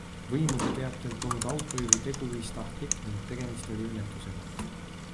Võimude teatel polnud autojuhi teguviis tahtlik ning tegemist oli õnnetusega.